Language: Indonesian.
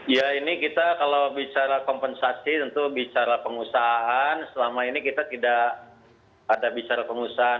ya ini kita kalau bicara kompensasi tentu bicara pengusahaan selama ini kita tidak ada bicara pengusahaan